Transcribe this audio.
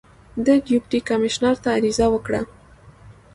د ډیپټي کمیشنر ته عریضه وکړه.